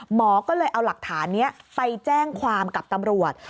หมอก็เลยเอาหลักฐานนี้ไปแจ้งความกับตำรวจ